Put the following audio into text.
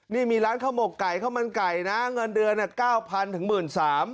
นี่มีร้านข้าวหมกไก่ข้าวมันไก่นะเงินเดือนเนี่ย๙๐๐๐๑๓๐๐๐